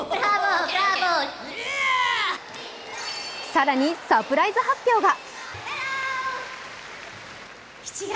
更にサプライズ発表が。